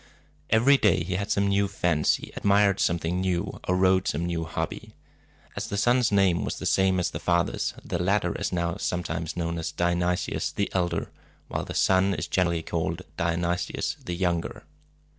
Every day he had some new fancy, admired something new, or rode some new hobby. As the son's name was the same as the father's, the latter is now sometimes known as Dionysius the Elder, while the son is generally called Dionysius the Younger.